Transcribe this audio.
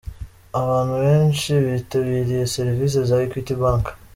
Abantu benshi bitabiriye serivise za Equity Bank.